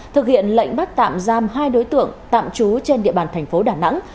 thực hiện lệnh bắt tạm giam hai đối tượng tạm trú trên địa bàn tp đà nẵng